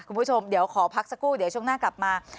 คุณผู้ชมเดี๋ยวขอพักสักครู่เดี๋ยวช่วงหน้ากลับมา